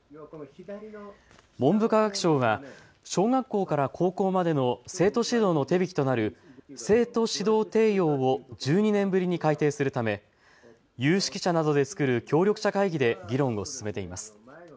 文部科学省は小学校から高校までの生徒指導の手引となる生徒指導提要を１２年ぶりに改訂するため有識者などで作る協力者会議で議論を進めています。